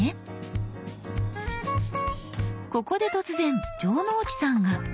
ここで突然城之内さんが。